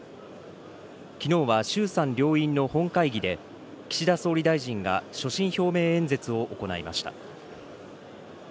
きのうは衆参両院の本会議で、岸田総理大臣が所信表明演説を行いました。